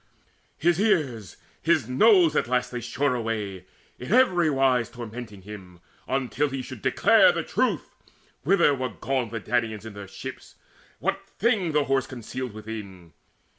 His ears, his nose, at last they shore away In every wise tormenting him, until He should declare the truth, whither were gone The Danaans in their ships, what thing the Horse Concealed within it.